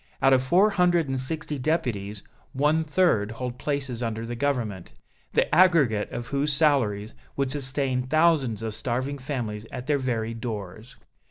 Out of four hundred and sixty deputies, one third hold places under the Government, the aggregate of whose salaries would sustain thousands of starving families at their very doors.